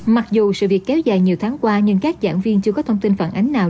mặc dù sự việc kéo dài nhiều tháng qua nhưng các giảng viên chưa có thông tin phản ánh nào